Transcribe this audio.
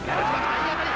いい当たり！